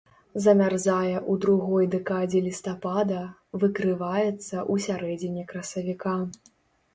Замярзае ў другой дэкадзе лістапада, выкрываецца ў сярэдзіне красавіка.